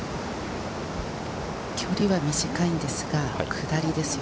距離は短いのですが、下りです。